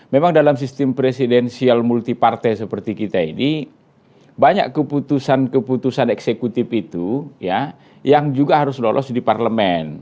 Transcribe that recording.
memang dalam sistem presidensial multi partai seperti kita ini banyak keputusan keputusan eksekutif itu ya yang juga harus lolos di parlemen